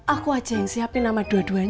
aku aja yang siapin nama dua duanya